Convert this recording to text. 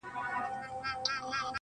د سترگو هره ائينه کي مي جلا ياري ده